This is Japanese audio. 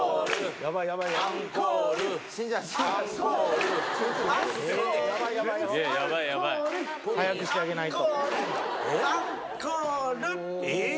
やばい、やばい。早くしてあげないと。